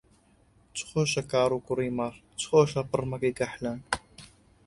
چ خۆشە کاڕ و کووڕی مەڕ، چ خۆشە پڕمەکەی کەحلان